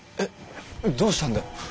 どうしたんだよ？